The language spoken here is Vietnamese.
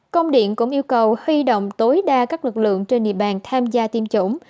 công điện cũng yêu cầu huy động tối đa các lực lượng trên địa bàn tham gia tiêm chủng